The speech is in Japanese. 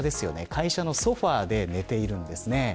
会社のソファで寝ているんです。